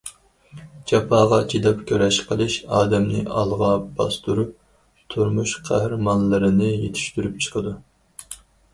جاپاغا چىداپ كۈرەش قىلىش ئادەمنى ئالغا باستۇرۇپ، تۇرمۇش قەھرىمانلىرىنى يېتىشتۈرۈپ چىقىدۇ.